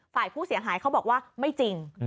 ฝ่ายผู้เสียหายเขาบอกว่าไม่จริง